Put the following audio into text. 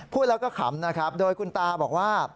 พูดแล้วก็ขำนะครับโดยคุณตาบอกว่า